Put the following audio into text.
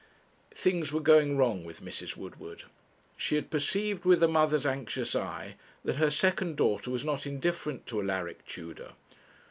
Things were going wrong with Mrs. Woodward. She had perceived, with a mother's anxious eye, that her second daughter was not indifferent to Alaric Tudor.